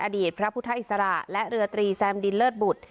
อดีตพระพุทธอิสระและเรือตรีแซมดินเลิศบุตร